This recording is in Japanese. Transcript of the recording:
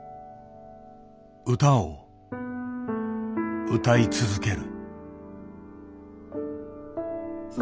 歌を歌い続ける。